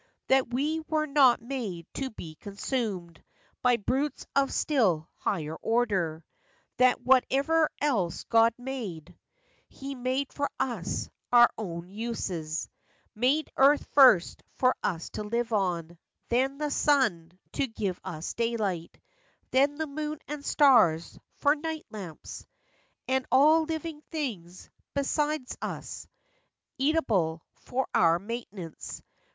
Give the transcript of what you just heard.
That we Were not made to be consumed by Brutes of a still higher order ? That whatever else God made, He made for us, our own uses; Made earth first, for us to live on; Then the sun, to give us daylight; Then the moon and stars, for night lamps; And all living things besides us Eatable, for our maintenance